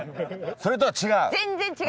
それとは違う？